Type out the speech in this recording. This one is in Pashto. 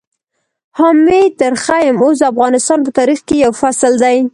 حامد درخيم اوس د افغانستان په تاريخ کې يو فصل دی.